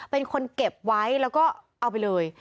เป็นคนเก็บไว้แล้วก็เอาไปเลย